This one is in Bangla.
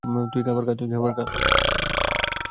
তুই খাবার খা।